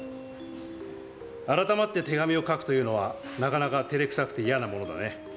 改まって手紙を書くというのは、なかなか照れくさくて嫌なものだね。